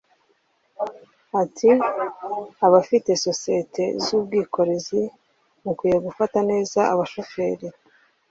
Ati "Abafite sosiyeti z’ubwikorezi mukwiye gufata neza abashoferi